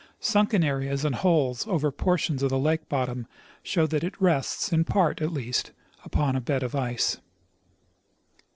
Sunken areas and holes over portions of the lake bottom show that it rests, in j)art at least, upon a bed of ice.